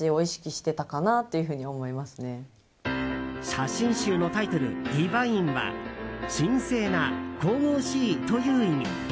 写真集のタイトル「ＤＩＶＩＮＥ」は神聖な、神々しいという意味。